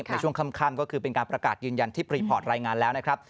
ในช่วงค่ำก็คือเป็นการประกาศยืนยันที่พรีพอร์ตรายงานแล้วนะครับ